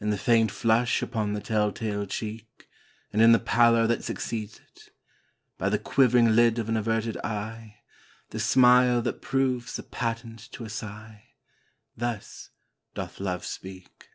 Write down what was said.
In the faint flush upon the tell tale cheek, And in the pallor that succeeds it; by The quivering lid of an averted eye The smile that proves the patent to a sigh Thus doth Love speak.